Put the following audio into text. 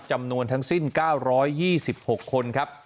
จำนวนทั้งสิ้น๙๒๖คนครับ